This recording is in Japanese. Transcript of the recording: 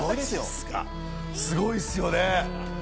すごいっすよね。